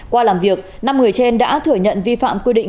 qua làm việc năm người trên đã thừa nhận vi phạm quy định